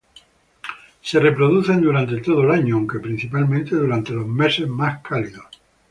Se reproducen durante todo el año, aunque principalmente durante los meses más cálidos.